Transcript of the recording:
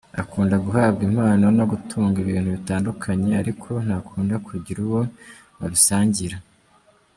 Akunda guhabwa impano no gutunga ibintu bitandukanye ariko ntakunda kugira uwo babisangira.